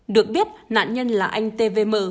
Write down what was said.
được biết nạn nhân là anh tvm